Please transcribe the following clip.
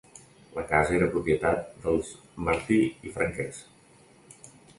La casa era propietat dels Martí i Franquès.